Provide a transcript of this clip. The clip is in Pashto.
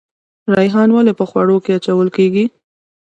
ریحان ولې په خوړو کې اچول کیږي؟